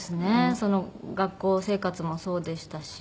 その学校生活もそうでしたし。